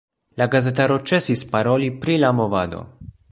La gazetaro ĉesis paroli pri la movado.